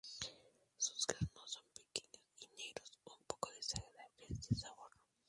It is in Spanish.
Sus granos son pequeños y negros, un poco desagradables de sabor.